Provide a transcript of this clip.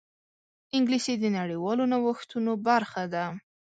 انګلیسي د نړیوالو نوښتونو برخه ده